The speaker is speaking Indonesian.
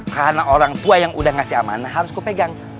karena orang tua yang udah ngasih amanah harus gue pegang